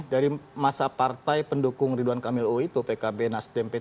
dari masa partai pendukung ridwan kamil oh itu pkb nasdem p tiga